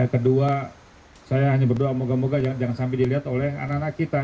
kedua saya hanya berdoa moga moga jangan sampai dilihat oleh anak anak kita